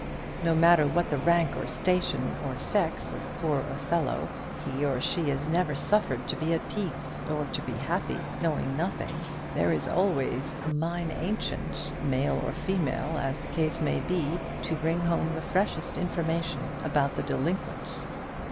No matter what the rank or station or sex of poor Othello; he or she is never suffered to be at peace, or to be happy knowing nothing. There is always "mine ancient," male or female, as the case may be, to bring home the freshest information about the delinquent.